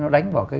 nó đánh vào cái